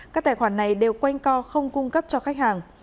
các tài khoản này đều quanh co không cung cấp cho khách hàng